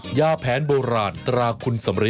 หญ้าแผนโบราณตราคุณสมริต